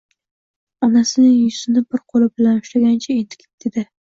Onacining yuzini bir qo‘li bilan ushlaganicha, entikib dedi: